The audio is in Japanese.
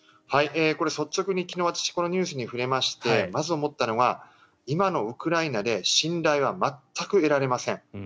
これ、率直に昨日、私このニュースに触れましてまず思ったのが今のウクライナで信頼は全く得られません。